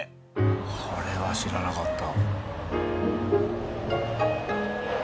これは知らなかった。